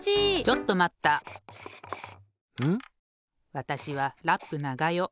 わたしはラップながよ。